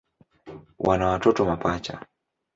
Wana watoto mapacha.